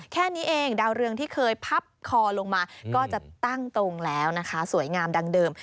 แค่นี้เองดาวเรืองที่เคยพับคอลงมาก็จะตั้งตรงแล้วนะคะสวยงามดังเดิม